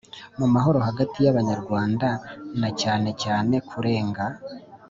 mu mahoro hagati y Abanyarwanda na cyanecyane kurenga